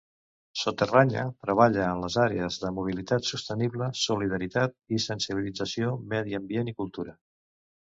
Soterranya treballa en les àrees de mobilitat sostenible, solidaritat i sensibilització, medi ambient i cultura.